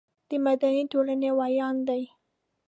د مدني ټولنې ویاند دی.